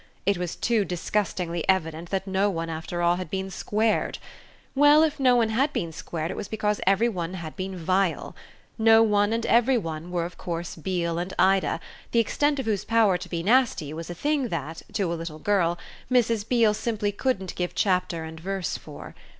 it was too disgustingly evident that no one after all had been squared. Well, if no one had been squared it was because every one had been vile. No one and every one were of course Beale and Ida, the extent of whose power to be nasty was a thing that, to a little girl, Mrs. Beale simply couldn't give chapter and verse for.